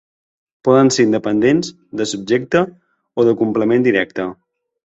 Poden ser independents, de subjecte o de complement directe.